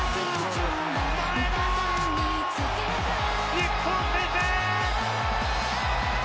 日本先制！